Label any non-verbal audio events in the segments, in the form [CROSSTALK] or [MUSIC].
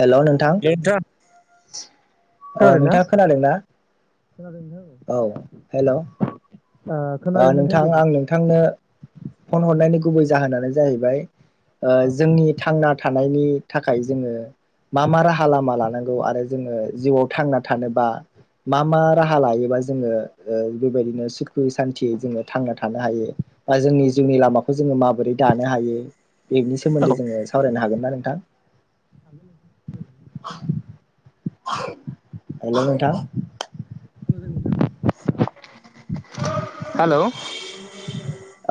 हेल' नोंथां [INAUDIBLE] ओ खौनादोंना नोंथाङा खोनादों ना खोनादों औ नोंथां। हेल' खोनादों औ ओ खोनादों नोंथां दे बुं आं नोंथांनो फन हरनायनि गुबै जाहोनानो जाहैबाय ओ औ जोंनि थांना थानायनि थाखाय जोङो मा मा राहा लामा लानांगौ आरो जोङो जिउआव थांना थानोबा मा मा राहा लायोबा जोङो ओ बेबायदिनो सिख्सुय सान्थियै जोङो थांना थानो हायो बा जोंनि जिउनि लामाखौ जोङो माबोरै दानो हायो बेनि औ सोमोन्दै औ जोङो सावरायनो हागोन ना नों दा। [INAUDIBLE] हेल' नोंथां [INAUDIBLE] हेल'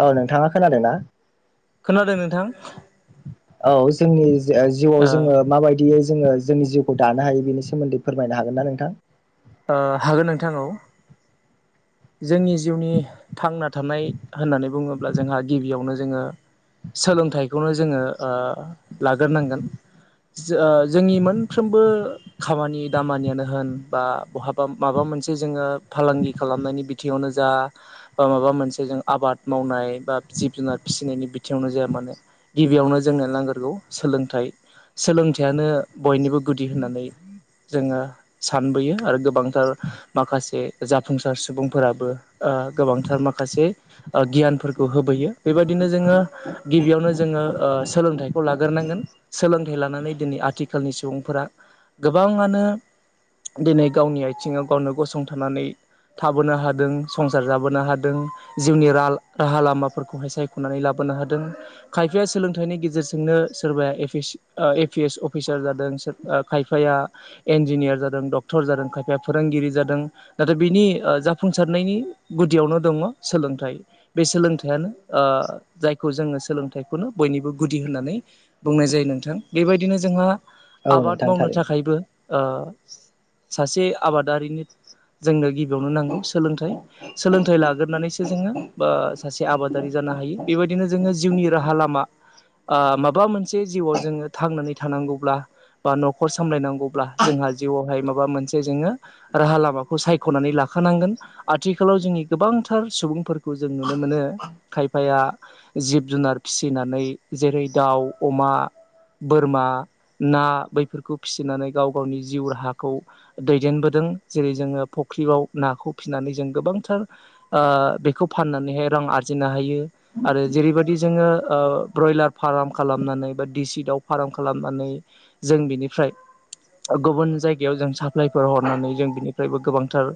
औ नोंथाङा खोनादों ना खोनादों नोंथां औ जोंनि जिउआव ओ जोङो माबायदि जोङो जोंनि जिउखौ दानो हायो बेनि सोमोन्दै फोरमायनो हागोन ना नोंथां? हागोन नोंथां औ। [INAUDIBLE] जोंनि जिउनि थांना थानाय होननानै बुङोब्ला जोंहा गिबियावनो जोङो सोलोंथाइखौनो जोङो ओ लाग्रोनांगोन ओ जोंनि मोनफ्रोमबो खामानि दामानियानो होन बा बहाबा माबा मोनसे जोङो फालांगि खालामनायनि बिथिङावनो जा बा माबा मोनसे जों आबाद आबाद मावनाय बा जिब जुनार फिसिनायनि बिथिङावनो जाया मानोे गिबियावनो जोंनो नांगोरगौ सोलों थाइ सोलोंथाइयानो बयनिबो गुदि होननानै जोङो सानबोयो आरो गोबांथार माखासे जाफुंसार सुबुंफोराबो गोबांथार माखासे गियानफोरखौ होबोैयो बेबायदिनो जोङो गिबियावनो जोङो सोलोंथाइखौ लाग्रोनांगोन सोलोंथाइ लानानै दिनै आथिखालनि सुबुंफोरा गोबाङानो दिनै गावनि आथिङाव गावनो गसंथानानै थाबोनो हादों संसार जाबोनो हादों जिउनि राहा लामाफोरखौहाय सायख'नानै लाबो- हादों खायफाया सोलोंथाइनि गेजेरजोंनो सोरबाया ए पि एस फिसार जादों खायफाया इन्जिनियार जादों डक टर जादों खायफाया फोरोंगिरि जादों नाथाय बिनि जाफुंसारनायनि गुदियावनो दङ सोलों थाइ बे सोलोंथाइयानो ओ जायखौ जोङो सोलोंथाइखौनो बयनिबो गुदि होननानै बुंनाय जायो नोंथां बेबायदिनो जोंहा औ आबाद नोंथां मावनो थारैनो थाखायबो सासे आबादारिनि जोंनो गिबियावनो नांगौ सोलोंथाइ सोलोंथाइ लाग्रोनानैसो जोङो सासे आबादारि जानो हायो बेबायदिनो जोङो जिउनि राहा लामा ओ माबा मोनसे जिउआव जोङो थांनानै थानांगौब्ला बा न'खर सामलायनांगौब्ला जोंहा जिउआवहाय माबा मा मोनसे जोङो राहा लामाखौ सायख'नानै लाखानांगोन आथिखालाव जोंनि गोबांथार सुबुं सुबुंफोरखौ जों नुनो मोनो खायफाया जिब जुनार फिसिनानै जेरै दाउ अमा, बोरमा, ना बैफोरखौ फिसिनानै गाव गावनि जिउ राहा खौ दैदेनबोदों जेरै जोङो फुख्रियाव नाखौ फिसिनानै जों गोबांथार ओ बेखौ फाननानैहाय रां आरजिनो हायो आरो जेरैबायदि जोङो ब्रयलार फार्म खालामनानै बा सि दाव फार्म खालामनानै जों बिनिफ्राय गुबन जाय याव जों साप्लाइफोर हरनानै जों बिनिफ्रायबो गोबांथार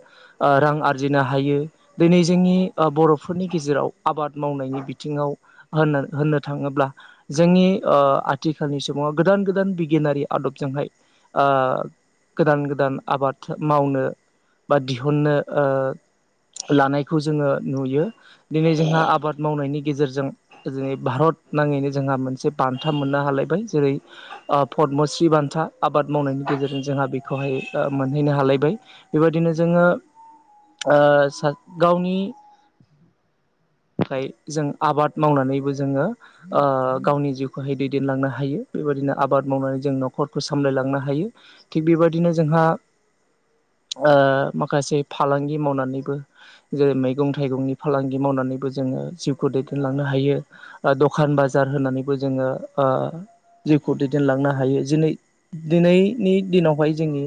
रां आरजिनो हायो दिनै जों नि बर'फोरनि गेजेराव आबाद मावनायनि बिथिङाव होननो थाङोब्ला जों नि आथिखालनि सुबुङा गोदान गोदान बिगियानारि आदबजोंहाय आ गोदान गोदान आबाद मावनो बा दिहुननो ओ लानायखौ जोङो नुयो दिनै जोंहा आबाद मावनायनि गेजेरजों जोंनि भारत नाङैनो जोंहा मोनसे बान्था मोननो हालायबाय जेरै पदमश्रि बान्था आबाद मावनायनि गेजेरजों जोंहा बेखौहाय मोनहैनो हालायबाय बेबायदिनो जोङो ओ सा गावनि [INAUDIBLE] थाखाय जोङो आबाद मावनानैबो जोङो ओ गावनि जिउखौहाय दैदेनलांनो हायो बेबायदि बिदिनो आबाद मावनानै जों न'खरखौ सामायलांनो हायो थिग बेबायदिनो जोंहा [INAUDIBLE] ओ माखासे फालांगि मावनानैबो जेरै मैगं-थाइगंनि फालांगि मावनानैबो जों ओ जिउखौ दैदेनलांनो हायो ओ दखान बाजार होनानैबो जोङो ओ जिउखौ दैदेनलांनो हायो जिनै दिनैनि दिनावहाय जोंनि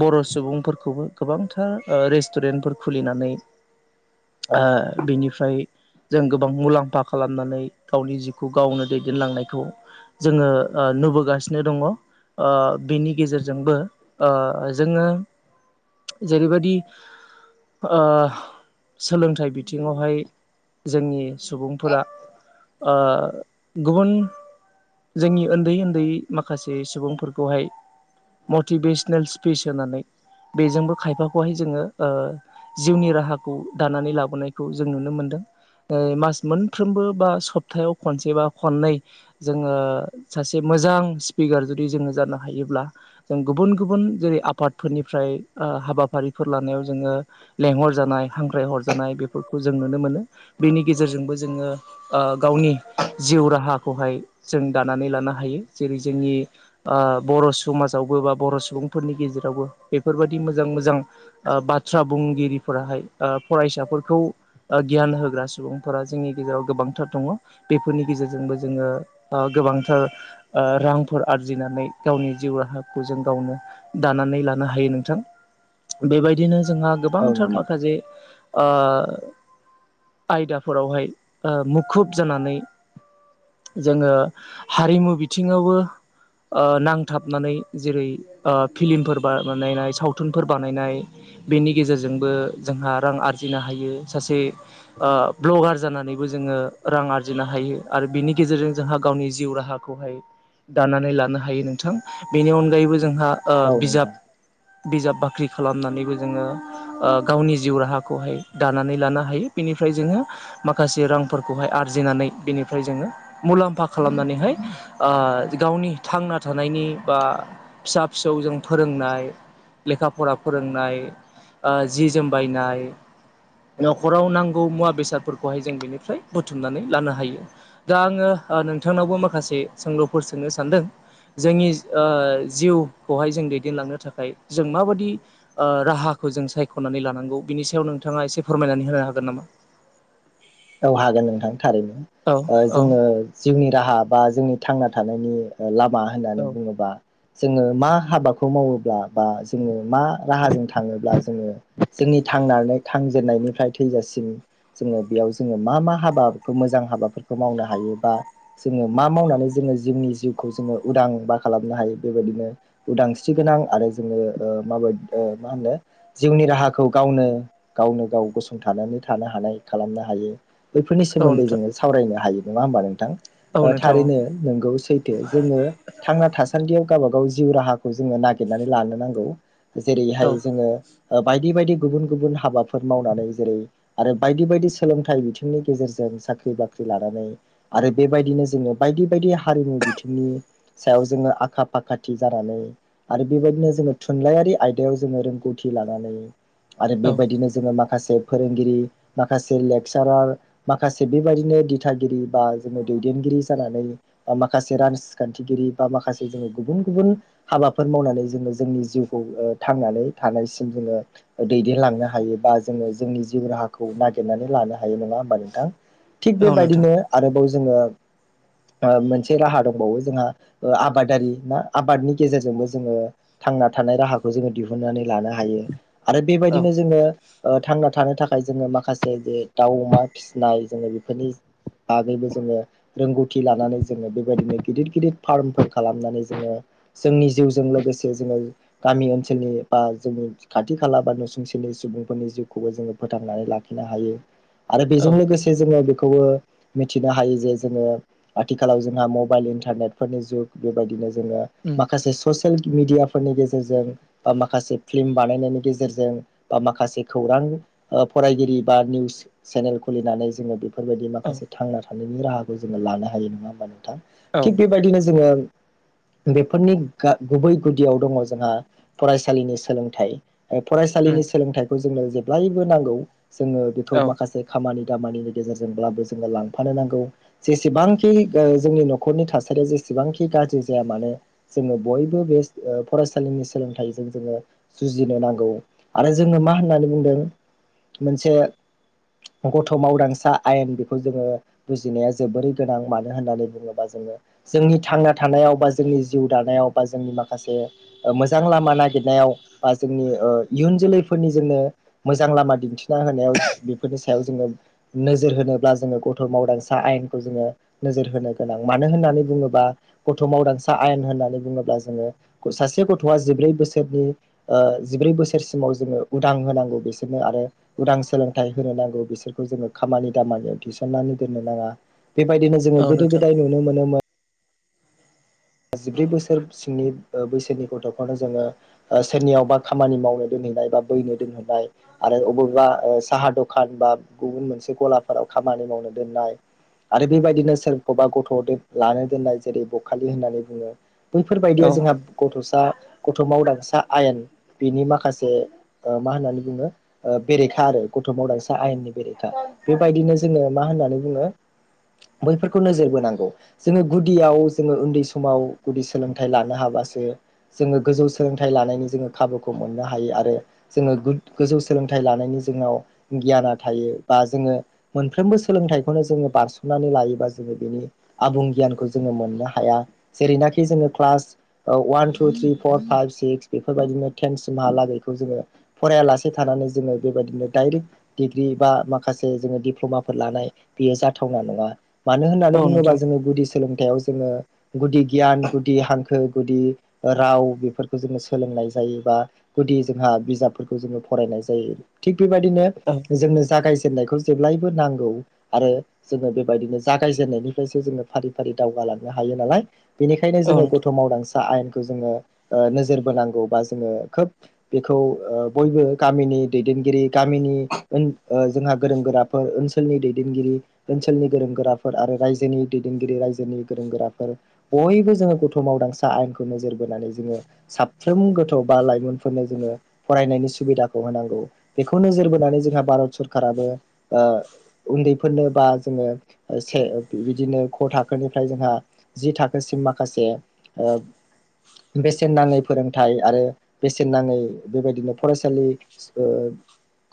बर' सुबुंफोरखौबो गोबांथार रेस्टुरेन्टफोर खुलिनानै ओ बिनिफ्राय जों गोबां मुलाम्फा खालामनानै गावनि जिउखौ गावनो दैदेनलांनायखौ जोङो ओ नुबोगासिनो दङ ओ बेनि गेजेरजोंबो ओ जोङो जेरैबायदि ओ सोलोंथाइ बिथिङावहाय जोंनि सुबुंफोरा आ गुबुन जोंनि उन्दै उन्दै माखासे सुबुंफोरखौहाय मटिभेस नेलस स्पिस होनानै बेजोंबो खायफाखौहाय जोङो ओ जिउनि राहाखौ दानानै लाबोनायखौ जों नुनो मोनदों। मास मोनफ्रोमबो बा सप्तायाव खनसे बा खननै जोङो सासे मोजां स्पिकार जुदि जोङो जानो हायोब्ला जों गुबुन गुबुन जेरै आफादफोरनिफ्राय हाबाफारिफोर लानायाव जोङो लेंहर जानाय हांख्राय हर जानाय बेफोरखौ जों नुनो मोनो बेनि गेजेरजोंबो जोङो आ गावनि जिउ राहा खौहाय जों दानानै लानो हायो जेरै जोंनि बर' समाजावबो बा बर' सुबुंफोरनि गेजेरावबो बेफोरबायदि मोजां मोजां बाथ्रा बुंगिरिफोराहाय फरायसा फिसाफोरखौ गियान होग्रा सुबुंफोरा जोंनि गेजेराव गोबांथार दङ बेफोरनि गेजेरजोंबो जों जोङो ओ गोबांथार ओ रांफोर आरजिनानै गावनि जिउ राहाखौ जों गावनो दानानै लानो हायो नोंथां बेबायदिनो जोंहा औ गोबांथार नोंथां माखासे ओ आयदाफोरावहाय ओ मुखुब जानानै जोङो हारिमु बिथिङावबो नांथाबनानै जेरै फिलिमफोर बानायनाय सावथुनफोर बानायनाय बेनि गेजेरजोंबो जोंहा रां आरजि हायो सासे ब्लगार जानानैबो जोङो रां आरजिनो हायो आरो बेनि गेजेर गेजेरजों जोंहा गावनि जिउ राहाखौहाय दानानै लानो हायो नोंथां बेनि अनगायैबो जोंहा ओ औ बिजाब नोंथां। बिजाब बाख्रि खालामनानैबो जोङो ओ गावनि जिउ राहाखौहाय दानानै लानो हायो बेनिफ्राय जोङो माखासे रांफोरखौहाय आरो आरजिनानै बिनिफ्राय जोङो मुलाम्फा खालामनानैहाय ओ गावनि थांना थानायनि बा फिसा फिसौ जों फोरोंनाय लेखा फरा फोरोंनाय ओ जि जोमबायनाय न'खराव नांगौ मुवा बेसादफोरखौहाय जों बेनिफ्राय बुथुमनानै लानो हायो दा आङो नोंथांनावबो माखासे सोंलुफोर सोंनो सानदों जोंनि ओ जिउ खौहाय जों दैदेनलांनो थाखाय जों माबायदि राहाखौ जों सायख'नानै लानांगौ बिनि सायाव नों नोंथाङा एसे फोरमायनानै होनो हागोन नामा [INAUDIBLE] औ हागोन नोंथां थारैनो औ ओ औ जोङो जिउनि राहा बा जोंनि थांना थानायनि लाब मा औ होननानै बुङोबा जोङो मा हाबाखौ मावोब्ला बा जोङो मा राहाजों थाङोब्ला जोङो जोंनि थांनानै थांजेननायनिफ्राय थैजासिम जोङो बेयाव जोङो मा मा हाबाखौ मोजां हाबाफोरखौ मावनो हायो बा जोङो मा मावनानै जोङो जोंनि जिउ खौ जोङो उदां बा खालामनो हायो बेबायदिनो उदांस्रि गोनां आरो जोङो माबायदि ओ मा होनो जिउनि राहाखौ गावनो गावनो गाव गसंथानानै थानो हानाय खालामनो हायो बेफोरनि औ सोमोन्दै नोंथां जोङो सावरायनो हायो नङा होमबा नोंथां औ नोंथां औ थारैनो नोंगौ सैथो जोङो थांना थासान्दियाव गावबा गाव जिउ राहाखौ जोङो नागिरनानै लानो नांगौ जेरैहाय औ जोङो बायदि बायदि गुबुन गुबुन हाबाफोर मावनानै जेरै आरो बायदि बायदि सोलोंथाइ बिनि गेजेरजों साख्रि बाख्रि लानानै आरो बेबायदिनो जोङो बायदि बायदि हा हारिमु बिथिंनि सायाव जोङो आखा फाखाथि जानानै आरो बेबायदिनो जोङो थुनलाइयारि आयदायाव जोङो रोंगौथि लानानै आरो औ बेबायदिनो जोङो माखासे फोरोंगिरि माखासे [UNINTELLIGIBLE] माखासे बेबायदिनो दिथागिरि बा जोङो दैदेनगिरि जानानै माखासे रासखान्थिगिरि बा माखासे जोङो गुबुन गुबुन हाबाफोर मावनानै जोङो जोंनि जिउखौ थांनानै थानायसिम जोङो दैदेनलांनो हायो बा जोङो जोंनि जिउ राहाखौ नागिरनानै लानो हायो ह नङा होमबा नोंथां थिग औ नोंथां बेबायदिनो आरोबाव जोङो मोनसे राहा दंबावो जोंहा ओ आबादारि ना आबादनि गेजेरजोंबो जोङो थांना थानाय राहाखौ जोङो दिहुनन्नानै लानो हायो। आरो औ बेबायदिनो जोङो थांना थानो थाखाय जोङो माखासे जे दाउ अमा फिसिनाय जोङो बेफोरनि बागैबो जोङो रोंगौथि लानानै जोङो बेबायदिनो गिदिर गिदिर फार्मफोर खालामनानै जोङो जोंनि जिउजों लोगोसे जोङो गामि ओनसोलनि बा जोंनि खाथि खाला बा नुसुंसेनि सुबुंफोरनि जिउखौबो जोङो फोथांनानै लाखिनो हायो आरो औ बेजों लोगोसे जोङो खौबो मिथिनो हायो जे जोङो आथिखालाव जोंहा मबाइल इन्टारनेट फोरनि जुग बेबायदिनो जेनेबा उम माखासे [UNINTELLIGIBLE] मिडया फोरनि गेजेरजों बा माखासे फिल्म बानायनायनि गेजेरजों बा माखासे खौरां फरायगिरि बा निउस चेनेल खुलिनानै जोङो बेफोरबायदि औ माखासे थांना थानायनि राहाखौ जोङो लानो हायो नङा होमबानो नोंथां औ थिग बेबायदिनो जोङो बेफोरनि गुबै गुदियाव दङ जोंहा फरायसालिनि सोलोंथाइ उम फरायसालिनि सोलोंथाइखौ जोंनो जेब्लायबो नांगौ जोङो बेखौ औ माखासे खामानि दामनि गेजेरजोंब्लाबो जोङो लांफानो नांगौ जेसेबांखि जोंनि न'खरनि थासारिया जब जेसेबांखि गाज्रि जाया मानो जोङो बयबो बे फरायसालिनि सोलोंथाइजों जोङो बुजिनो नांगौ आरो जोङो मा होननानै बुंदों मोनसे गथ' मावदांसा आयेन बेखौ जोङो बुजिनाया जोबोरै गोनां। मानो होननानै बुङोबा जोङो जोंनि थांना थानायाव बा जोंनि जिउ दानायाव बा जोंनि माखासे मोजां लामा नागिरनायाव जों इयुन जोलैफोरनि जोंनो मोजां लामा दिन्थिना होनायाव बेफोरनि सायाव जोङो नोजोर होनोब्ला जोङो गथ' मावदांसा आयेनखौ जोङो नोजोर होनो गोनां। मानो होननानै बुङोब्ला आ गथ'मावदांसा आयेन होननानै बुङोब्ला जोङो सासे गथ'आ जिब्रै बोसोरनि ओ जिब्रै बोसोरसिमाव जोङो उदां होनांगौ बिसोरनो आरो उदां सोलों गाइड होनो नांगौ। बिसोरखौ जोङो खामानि दामानियाव थिसननानै दोननो नाङा। बेबायदिनो जोङो औ गोदो नोंथां गोदाय नुनो मोनोमोन जिब्रै बोसोर सिंनि बैसोनि गथ'खौनो जोङो सोरनियावबा खामानि मावनो दोन [UNINTELLIGIBLE] आरो बबावबा साहा द बा गुबुन मोनसे गलाफोराव खामानि मावनो दोननाय। आरो बेबायदिनो सोरखौबा गथ' लानो दोननाय जेरै बखालि होननानै बैफोरबायदिया औ जोंहा गथ'सा गथ' मावदांसा आयेन बिनि माखासे मा होननानै बुङो बेरेखा आरो गथ' मावदांसा आयेननि बेरेखा, बेबायदिनो जोङो मा होननानै बुङो बैफोरखौ नोजोर बोनांगौ जोङो गुदियाव जोङो उन्दै समाव गुदि सोलोंथाइ लानो हाबासो जोङो गोजौ सोलोंथाइ लानायनि जोङो खाबुखौ मोननो हायो आरो जोङो गोजौ सोलोंथाइ लानायनि जोंनाव गियाना थायो बा जोङो मोन साफ्रोमबो सोलोंथाइखौनो जोङो बारसननानै लायोबा जोङो बिनि आबुं गियानखौ जोङो मोननो हाया जेरैनाखि जोङो class one two three four five six बेफोरबायदिनो टेन सिमहालागै जोङो फरायालासे थानानै जोङो बेबायदिनो दाइरेक्ट डिग्रि बा माखासे जोङो दिप्ल'मा फोर लानाय बेयो जाथावना नङा, मानो होननानै औ बुङोबा नोंथां जोङो गुदि सोलोंथाइयाव जोङो गुदि गियान गुदि हांखो गुदि राव बेफोरखौ जोङो सोलोंनाय जायोबा गुदि जोंहा बिजाबफोरखौ जोङो फरायनाय जायो थि बेबायदिनो औ जोंनो जागाय नायखौ जेब्लायबो नांगौ आरो जोङो बेबायदिनो जागायजेननायनिफ्रायसो जोङो फारि फारि दावगा लानो हायो नालाय बेनिखायनो औ जोङो नोंथां गथ' मावदांस आयेनखौ जोङो नोजोर बोनांगौ बा जोङो खोब बेखौ बयबो गामिनि दैदेनगिरि गामिनि जोंहा गोरों गोराफोर ओनसोलनि दैदेनगिरि ओनसोलनि गोरों गोराफोर आरो रायजोनि दैदेनगिरि रायजोनि गोरों गोराफोर बयबो जोङो गथ' मावदांसा आयेनखौ नोजोर बोनानै जोङो साफ्रोम गोथौ बा लाइमोनफोरनो जोङो फरायनायनि सुबिदाखौ होनांगौ बेखौ नोजोर बोनानै जोंहा भारत सरखाराबो ओ उन्दैफोरनो बा जोङो से बिदिनो ख थाखोनिफ्राय जोंहा जि थाखो [UNINTELLIGIBLE] माखासे बेसेन नाङै फोरोंथाइ आरो बेसेन नाङै बेबायदिनो फरायसालि ओ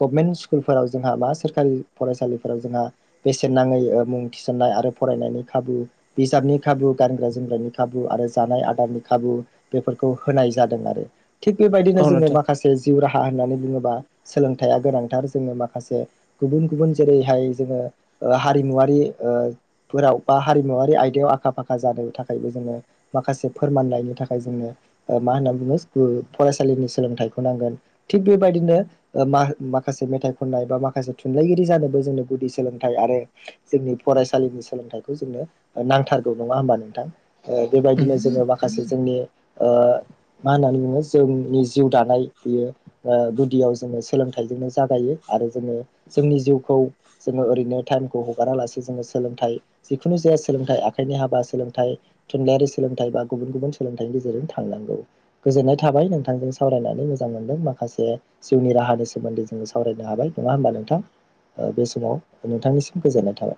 गभमेन्ट स्कुलफोराव जोंहा बा सोरखारि फरायसालिफोराव जोंहा बेसेन नाङै मुं थिसन्नाय आरो फरायनायनि खाबु बिजाबनि खाबु गानग्रा जोमग्रानि खाबु आरो जानाय आदारनि खाबु बेफोरखौ होनाय जादों आरो। थिग बेबायदिनो औ जोङो नोंथां माखासे जिउ राहा होननानै बुङोबा सोलोंथाइया गोनांथार जोङो माखासे गुबुन गुबुन जेरैहाय जोङो ओ हारिमुवारि फोराव बा हारिमुवारि आयदायाव आखा फाखा जानो थाखायबो जोङो माखासे फोरमानलाइनि थाखाय जोङो मा होनना बुङो फरायसालि बिनि सोलोंथाइखौ नांगोन थिग बेबायदिनो ओ मा माखासे मेथाइ खननाय बा माखसे थुनलाइगिरि [INAUDIBLE] जोंनो गुदि सोलोंथाइ आरो जोंनि फरायसालिनि सोलोंथाइखौ जोंनो नांथार दं नङा होमबा नोंथां उम बेबायदिनो जोङो माखासे जोंनि मा होननानै बुङो ज जनि जिउ दानाय बेयो गुदियाव जोङो सोलोंथाइजोंनो जागायो आरो जोङो ज जों जिउखौ जोङो ओरैनो टाइमखौ हगारा लासे जोङो सोलोंथाइ जिखुनु जाया सोलोंथाइ आख हाब सोल थुनइारि सोलोंथाइ बा गुबुन गुबुन सोलोंथनि गेजेरजों थांनांगौ गोजोननाय थाबाय नोंथांजों सावरायनानै मोजां मोनदों माखासे जिउनि राहानि सोमोन्दै जोङो सावरायनो हाबाय नङा होमबा नोंथां बे समाव नोंथांनिसिम गोजोननाय थाबाय